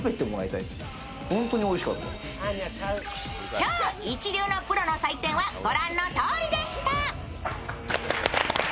超一流のプロの採点は御覧のとおりでした。